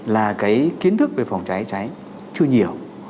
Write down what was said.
là cái kiến thức về phòng trái trái chưa nhiều